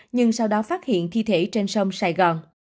nhưng sau đó phát hiện thi thể trên sông sài gòn